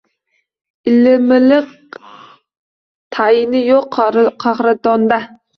Ilimiliq, tayini yoʼq qahraton-da.